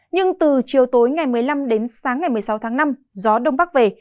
nhưng từ chiều tối ngày một mươi năm đến sáng ngày một mươi sáu tháng năm gió đông bắc về